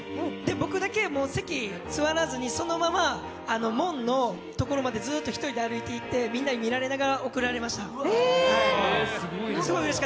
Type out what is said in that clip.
僕だけ、席座らずにそのまま門のところまでずっと１人で歩いていってみんなに見られながら送られました。